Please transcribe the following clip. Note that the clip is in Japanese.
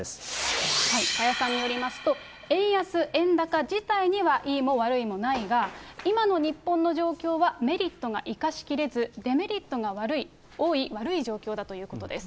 加谷さんによりますと、円安、円高自体にはいいも悪いもないが、今の日本の状況はメリットが生かしきれず、デメリットが多い悪い状況だということです。